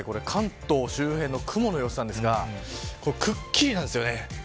関東周辺の雲の様子なんですがくっきりなんですよね。